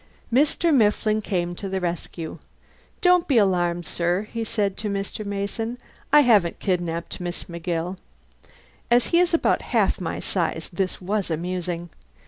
Mr. Mifflin came to the rescue. "Don't be alarmed, sir," he said to Mr. Mason. "I haven't kidnapped Miss McGill." (As he is about half my size this was amusing.)